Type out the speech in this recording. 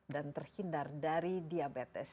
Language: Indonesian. dan terhindar dari diabetes